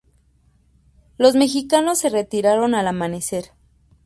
Los mexicanos se retiraron al amanecer.